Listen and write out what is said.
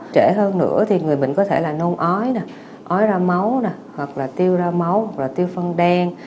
trễ hơn nữa thì người bệnh có thể là nôn ói ói ra máu hoặc là tiêu ra máu hoặc là tiêu phân đen